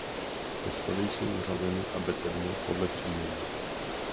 Postavy jsou řazeny abecedně podle příjmení.